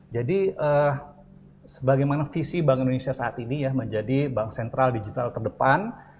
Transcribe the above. jadi sebagaimana visi bank indonesia saat ini menjadi bank sentral digital terdepan